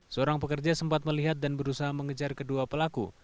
seorang pekerja sempat melihat dan berusaha mengejar kedua pelaku